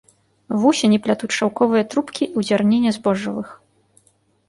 Вусені плятуць шаўковыя трубкі ў дзярніне збожжавых.